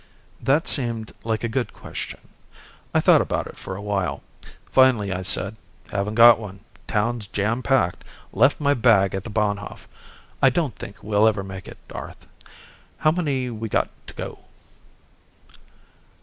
That seemed like a good question. I thought about it for a while. Finally I said, "Haven't got one. Town's jam packed. Left my bag at the Bahnhof. I don't think we'll ever make it, Arth. How many we got to go?"